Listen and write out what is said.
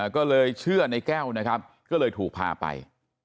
ก็เลยเชื่อในแก้วนะครับก็เลยถูกพาไป